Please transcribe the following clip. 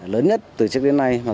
lớn nhất từ trước đến nay mà